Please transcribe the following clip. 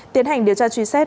tiến hành điều tra truy xét